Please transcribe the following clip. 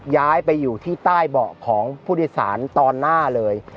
ย้ายไปอยู่ที่ใต้เบาะของผู้โดยสารตอนหน้าเลย